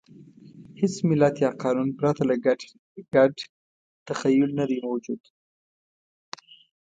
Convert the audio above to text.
هېڅ ملت یا قانون پرته له ګډ تخیل نهدی موجود.